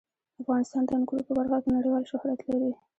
افغانستان د انګور په برخه کې نړیوال شهرت لري.